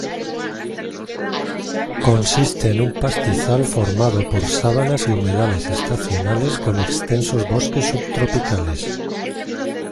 Consiste en un pastizal formado por sabanas y humedales estacionales con extensos bosques subtropicales.